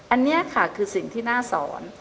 อันนี้ค่ะคือสิ่งที่น่าสอน